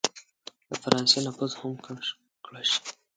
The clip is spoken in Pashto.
د فرانسې نفوذ هم کم کړه شي.